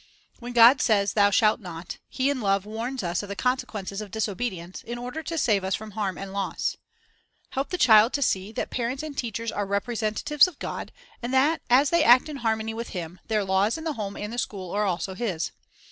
When God says "Thou shalt not," He in love warns us of the consequences of disobedience, in order to save us from harm and loss. Help the child to see that parents and teachers are representatives of God, and that as they act in harmony with Him, their laws in the home and the school are also His.